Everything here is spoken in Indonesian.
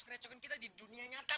eh lu liat tando gak